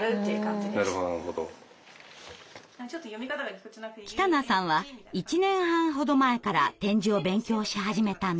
あれ何か北名さんは１年半ほど前から点字を勉強し始めたんだそう。